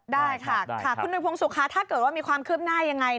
ได้ค่ะคุณหุยพงศุกร์ค่ะถ้าเกิดว่ามีความคืบหน้ายังไง